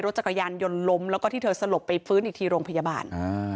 จักรยานยนต์ล้มแล้วก็ที่เธอสลบไปฟื้นอีกทีโรงพยาบาล